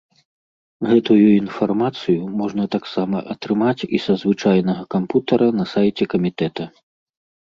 Гэтую інфармацыю можна таксама атрымаць і са звычайнага кампутара на сайце камітэта.